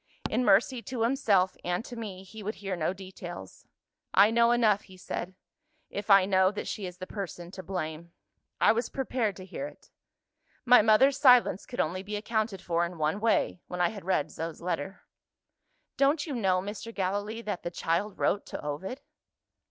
In mercy to himself and to me, he would hear no details. 'I know enough,' he said, 'if I know that she is the person to blame. I was prepared to hear it. My mother's silence could only be accounted for in one way, when I had read Zo's letter.' Don't you know, Mr. Gallilee, that the child wrote to Ovid?"